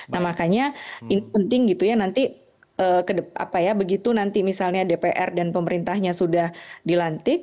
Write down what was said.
nah makanya nanti begitu misalnya dpr dan pemerintahnya sudah dilantik